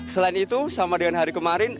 selain itu sama dengan hari kemarin